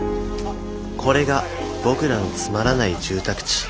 これが僕らのつまらない住宅地。